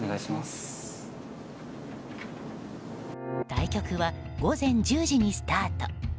対局は午前１０時にスタート。